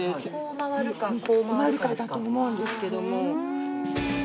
回るかだと思うんですけども。